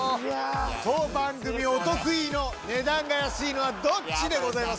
当番組お得意の値段が安いのはどっち？でございます